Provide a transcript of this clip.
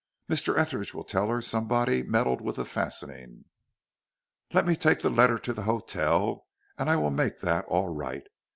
Mr. Etheridge will tell her somebody meddled with the fastening." "Let me take the letter to the hotel, and I will make that all right.